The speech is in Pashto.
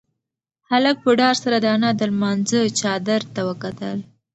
هلک په ډار سره د انا د لمانځه چادر ته وکتل.